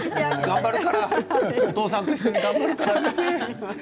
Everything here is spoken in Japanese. お父さんと一緒に頑張るから。